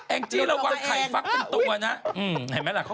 งจี้ระวังไข่ฟักเป็นตัวนะเห็นไหมล่ะ